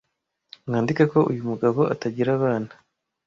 mwandike ko uyu mugabo atagira abana